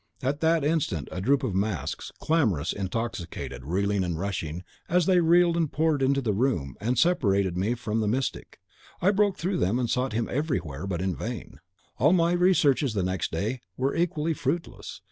"At that instant a troop of masks, clamorous, intoxicated, reeling, and rushing, as they reeled, poured into the room, and separated me from the mystic. I broke through them, and sought him everywhere, but in vain. All my researches the next day were equally fruitless.